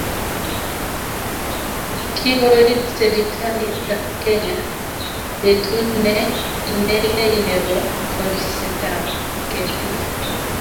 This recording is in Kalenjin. Kitoi serkalitab Kenya betut ne inegei nebo kolsetab ketik